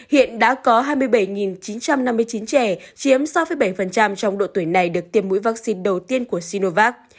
hiện đã có hai mươi bảy chín trăm năm mươi chín trẻ chiếm sáu bảy trong độ tuổi này được tiêm mũi vaccine đầu tiên của sinovac